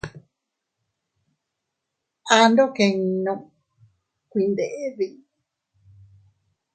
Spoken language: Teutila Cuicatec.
Ando kinnun kuindedi.